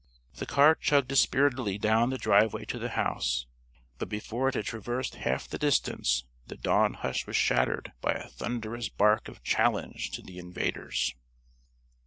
The car chugged dispiritedly down the driveway to the house, but before it had traversed half the distance the dawn hush was shattered by a thundrous bark of challenge to the invaders.